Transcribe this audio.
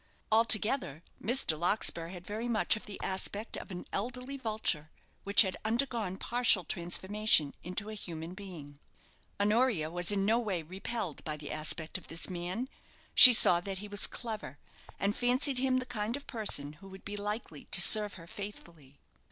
Altogether, Mr. Lark spur had very much of the aspect of an elderly vulture which had undergone partial transformation into a human being. Honoria was in no way repelled by the aspect of this man. She saw that he was clever; and fancied him the kind of person who would be likely to serve her faithfully.